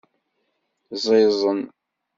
Ẓiẓen.